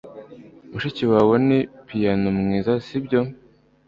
Mushiki wawe ni piyano mwiza, sibyo?